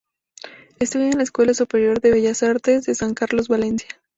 Estudia en la Escuela Superior de Bellas Artes de San Carlos, Valencia.